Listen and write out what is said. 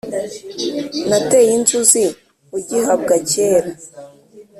nateye inzuzi ugihabwa kera